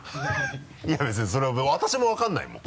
いや別にそれは私も分からないもん。